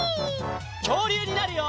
きょうりゅうになるよ！